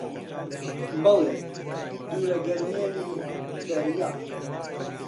بەڵێ: دوورە گەرمێنی دەریا